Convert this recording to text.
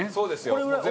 これぐらい？